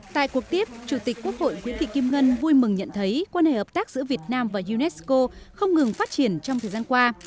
tại cuộc tiếp chủ tịch quốc hội nguyễn thị kim ngân vui mừng nhận thấy quan hệ hợp tác giữa việt nam và unesco không ngừng phát triển trong thời gian qua